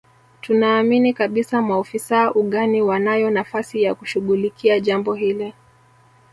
Tunaamini kabisa maofisa ugani wanayo nafasi ya kushughulikia jambo hili